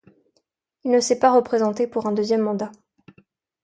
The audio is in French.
Il ne s'est pas représenté pour un deuxième mandat.